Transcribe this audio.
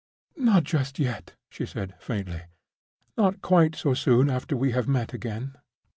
"Not just yet," she said, faintly. "Not quite so soon after we have met again."